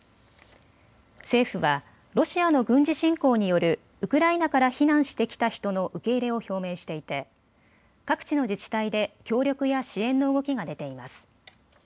政府はロシアの軍事侵攻によるウクライナから避難してきた人の受け入れを表明していて各地の自治体で協力や支援の動きが出ています。